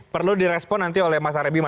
perlu direspon nanti oleh mas arabima